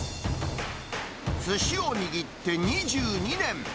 すしを握って２２年。